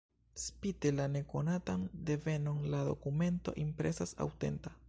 Spite la nekonatan devenon la dokumento impresas aŭtenta.